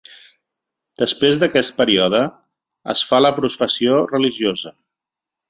Després d'aquest període, es fa la professió religiosa.